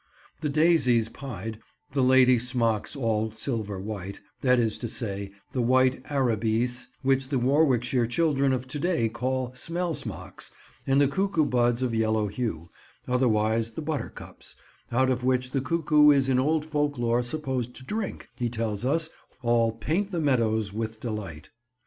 The "daisies pied," the "lady smocks all silver white," that is to say, the white arabis which the Warwickshire children of to day call "smell smocks," and the "cuckoo buds of yellow hue," otherwise the buttercups, out of which the cuckoo is in old folklore supposed to drink, he tells us, all "paint the meadows with delight."